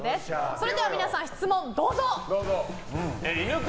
それでは皆さん、質問どうぞ。